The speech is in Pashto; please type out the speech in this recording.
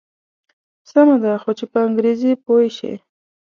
سمه ده خو چې په انګریزي پوی شي.